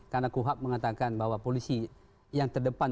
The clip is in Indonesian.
karena kuhab mengatakan bahwa polisi yang terdepan